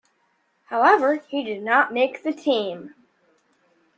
However, he did not make the team.